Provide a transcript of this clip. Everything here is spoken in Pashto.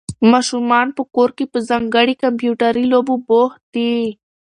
ماشومان په کور کې په ځانګړو کمپیوټري لوبو بوخت دي.